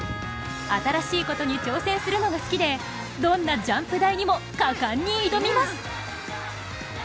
新しいことに挑戦するのが好きでどんなジャンプ台にも果敢に挑みます！